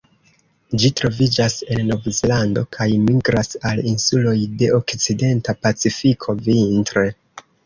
Ĝi troviĝas en Novzelando, kaj migras al insuloj de okcidenta Pacifiko vintre.